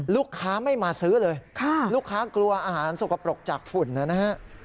ลูกค้าไม่มาซื้อเลยลูกค้ากลัวอาหารสกปรกจากฝุ่นนะฮะ